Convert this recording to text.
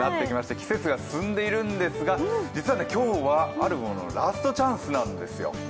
季節が進んでいるんですが実は今日はあるもののラストチャンスなんですよ。